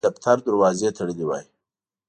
بیا یې نو باید د دفتر دروازې تړلي وای.